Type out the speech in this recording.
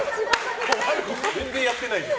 全然やってないじゃん。